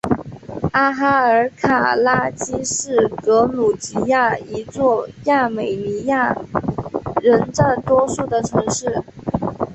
阿哈尔卡拉基是格鲁吉亚一座亚美尼亚人占多数的城市。